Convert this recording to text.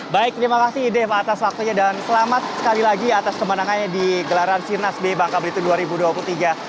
baik terima kasih dev atas waktunya dan selamat sekali lagi atas kemenangannya di gelaran sirnas b bangka belitung dua ribu dua puluh tiga